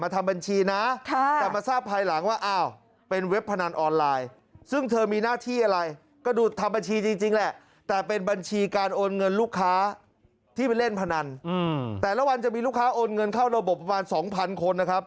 ที่ไปเล่นพนันแต่ละวันจะมีลูกค้าโอนเงินเข้าระบบประมาณ๒๐๐๐คนนะครับ